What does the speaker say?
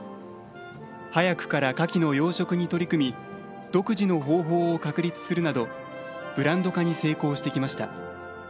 早くからカキの養殖に取り組み独自の方法を確立するなどブランド化に成功してきました。